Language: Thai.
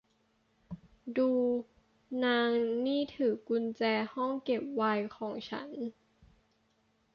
ดู นาง นี่คือกุญแจห้องเก็บไวน์ของฉัน